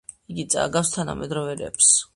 იგი წააგავს თანამედროვე რეპს.